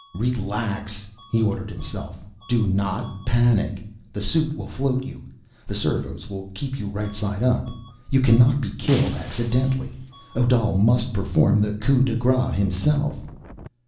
Relax! he ordered himself. _Do not panic! The suit will float you. The servos will keep you right side up. You cannot be killed accidentally; Odal must perform the_ coup de grace _himself.